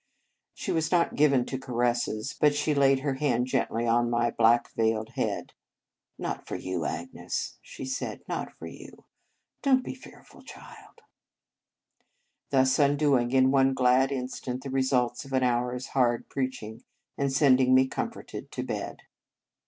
She was not given to caresses, but she laid her hand gently on my black veiled head. " Not for you, Agnes," she said, " not for you. Don t be fear ful, child! " thus undoing in one glad instant the results of an hour s hard preaching, and sending me comforted to bed.